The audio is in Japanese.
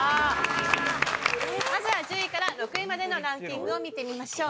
まずは１０位から６位までのランキングを見てみましょう。